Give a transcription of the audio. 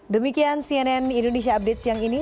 demikian cnn indonesia update siang ini